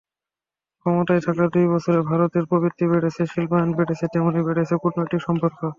ক্ষমতায় থাকার দুই বছরে ভারতের প্রবৃদ্ধি বেড়েছে, শিল্পায়ন বেড়েছে, তেমনি বেড়েছে কূটনৈতিক সম্পর্ক।